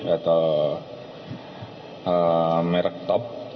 atau merek top